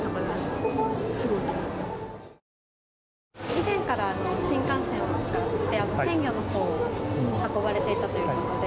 以前から新幹線を使って鮮魚のほうを運ばれていたということで。